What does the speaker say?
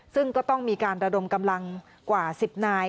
ซึ่งก็ต้องมีการระดมกำลังกว่า๑๐นาย